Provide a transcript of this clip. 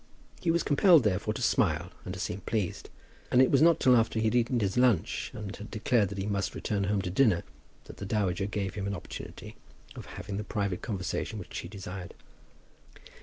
He was compelled, therefore, to smile and to seem pleased; and it was not till after he had eaten his lunch, and had declared that he must return home to dinner, that the dowager gave him an opportunity of having the private conversation which he desired.